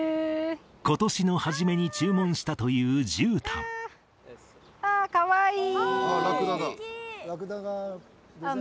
今年の初めに注文したというじゅうたんかわいい！